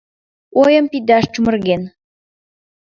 Ойым пидаш чумырген.